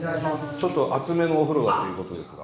ちょっと熱めのお風呂だということですが。